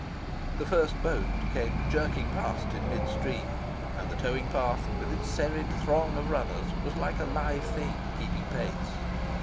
The first boat came jerking past in mid stream; and the towing path, with its serried throng of runners, was like a live thing, keeping pace.